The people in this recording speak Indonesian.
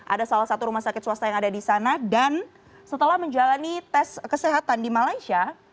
ada salah satu rumah sakit swasta yang ada di sana dan setelah menjalani tes kesehatan di malaysia